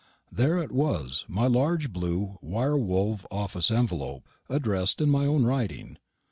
There it was my large blue wire wove office envelope, addressed in my own writing.